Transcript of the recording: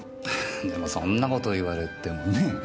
でもそんな事言われてもねえ？